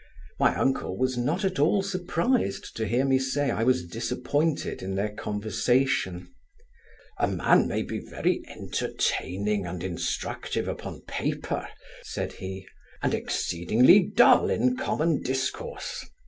My uncle was not at all surprised to hear me say I was disappointed in their conversation. 'A man may be very entertaining and instructive upon paper (said he), and exceedingly dull in common discourse.